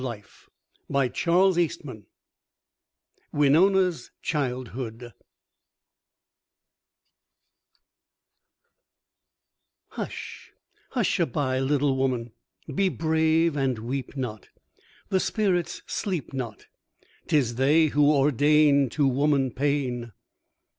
PART TWO STORIES OF REAL INDIANS I WINONA'S CHILDHOOD Hush, hushaby, little woman! Be brave and weep not! The spirits sleep not; 'Tis they who ordain To woman, pain.